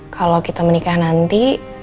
kalau kita menikah nanti